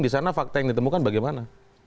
di sana fakta yang ditemukan bagaimana